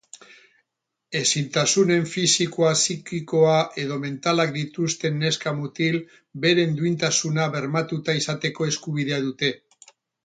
Ezintasunen fisikoa, psikikoa edo mentalak dituzten neska-mutil beren duintasuna bermatuta izateko eskubidea dute.